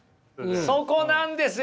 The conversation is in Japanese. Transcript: そこなんですよ！